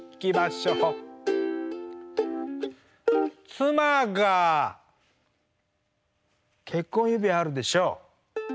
妻が結婚指輪あるでしょ？